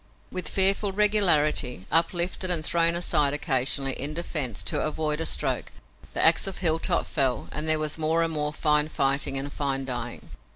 With fearful regularity, uplifted and thrown aside occasionally in defense to avoid a stroke, the ax of Hilltop fell and there was more and more fine fighting and fine dying.